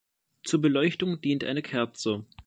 Zur Beleuchtung dient eine Kerze.